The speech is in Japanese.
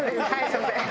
すみません。